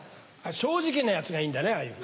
正直なやつがいいんだねああいう。